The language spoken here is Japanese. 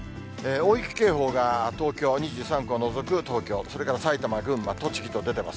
大雪警報が、東京２３区を除く東京、それから埼玉、群馬、栃木と出てます。